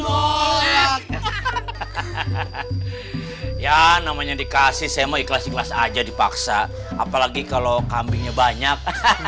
lot ya namanya dikasih sama ikhlas ikhlas aja dipaksa apalagi kalau kambingnya banyak